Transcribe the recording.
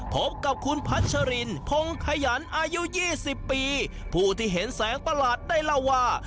พบกับคุณพัชรินพงขยันอายุ๒๐ปีผู้ที่เห็นแสงประหลาดได้เล่าว่า